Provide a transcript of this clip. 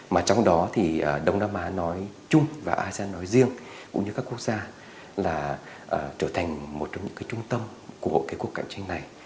mà trong đó thì đông nam á nói chung và asean nói riêng cũng như các quốc gia là trở thành một trong những cái trung tâm của cái cuộc cạnh tranh này